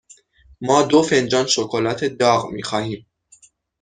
ما دو فنجان شکلات داغ می خواهیم.